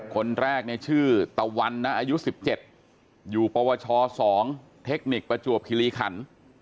คนแรกเนี่ยชื่อตะวันนะอายุ๑๗อยู่ปวช๒เทคนิคประจวบคิริขัน